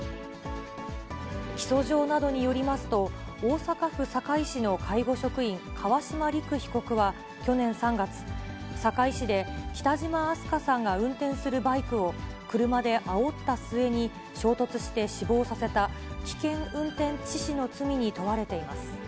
起訴状などによりますと、大阪府堺市の介護職員、川島陸被告は去年３月、堺市で、北島明日翔さんが運転するバイクを車であおった末に、衝突して死亡させた、危険運転致死の罪に問われています。